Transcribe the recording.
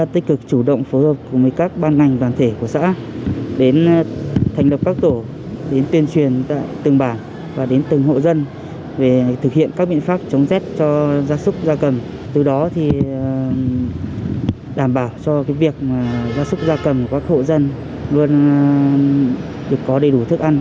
từ đó đảm bảo cho việc gia súc gia cầm của các hộ dân luôn có đầy đủ thức ăn